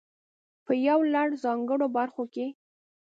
په يو لړ ځانګړو برخو کې.